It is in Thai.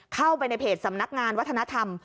เข้าไปในเพจสำนักงานวัฒนธรรม